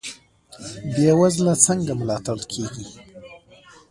بې وزله څنګه ملاتړ کیږي؟